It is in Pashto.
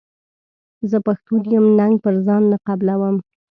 زه پښتون یم ننګ پر ځان نه قبلووم.